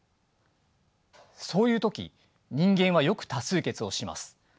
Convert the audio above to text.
そういう時人間はよく多数決をします。